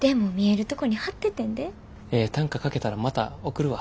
ええ短歌書けたらまた送るわ。